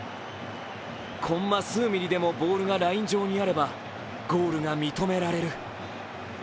コンマ数ミリでもボールがライン上にあればゴールが認められる。